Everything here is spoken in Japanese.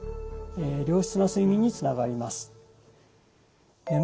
良質な睡眠につながります。